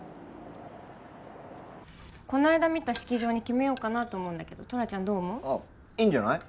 この間見た式場に決めようかなと思うんだけどトラちゃんどう思う？ああいいんじゃない？